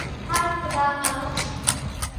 হায় খোদা, আনোচ!